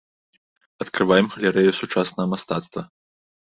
Адкрываем галерэю сучаснага мастацтва.